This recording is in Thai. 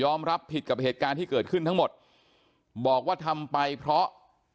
รับผิดกับเหตุการณ์ที่เกิดขึ้นทั้งหมดบอกว่าทำไปเพราะ